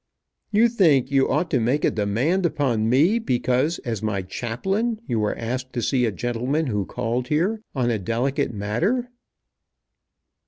"You think you ought to make a demand upon me because as my Chaplain you were asked to see a gentleman who called here on a delicate matter?"